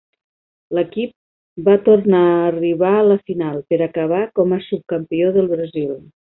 L'equip va tornar a arribar a la final, per acabar com a subcampió del Brasil.